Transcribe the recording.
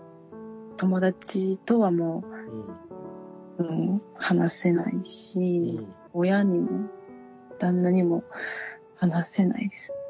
友達とはもう話せないし親にも旦那にも話せないです。